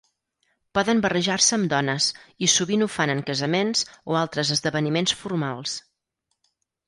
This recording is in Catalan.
Poden barrejar-se amb dones, i sovint ho fan en casaments o altres esdeveniments formals.